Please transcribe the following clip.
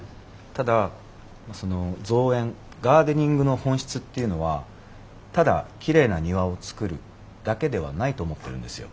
ただその造園ガーデニングの本質っていうのはただきれいな庭を造るだけではないと思ってるんですよ。